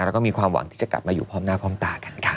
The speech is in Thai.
แล้วก็มีความหวังที่จะกลับมาอยู่พร้อมหน้าพร้อมตากันค่ะ